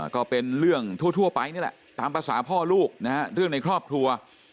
ก็เป็นเรื่องทั่วไปนี่แหละตามภาษาพ่อลูกนะฮะเรื่องในครอบครัว